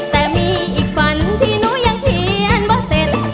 แต่มีอีกฝันที่หนูยังเขียนว่าเสร็จ